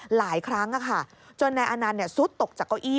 หลายครั้งจนนายอานันต์ซุดตกจากเก้าอี้